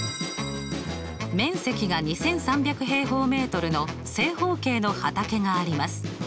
面積が２３００平方メートルの正方形の畑があります。